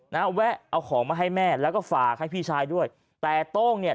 แวะเอาของมาให้แม่แล้วก็ฝากให้พี่ชายด้วยแต่โต้งเนี่ย